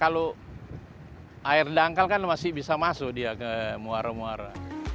kalau air dangkal kan masih bisa masuk dia ke muara muara